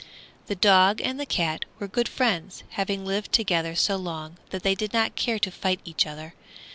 The dog and the cat were good friends, having lived together so long that they did not care to fight each other.